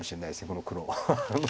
この黒を。